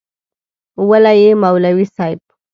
وله يي مولوي صيب